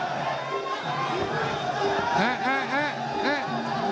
จะหลุดสึก